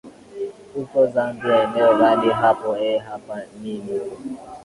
uko zambia eneo gani hapo ee hapa mi niko